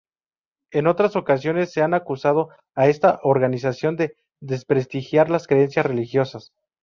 En otras ocasiones se ha acusado a esta organización de desprestigiar las creencias religiosas.